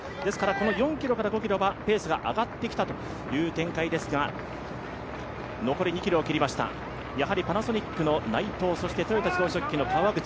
この４ｋｍから５ｋｍはペースが上がってきたという展開ですが、残り２ｋｍを切りました、パナソニックの内藤そして豊田自動織機の川口。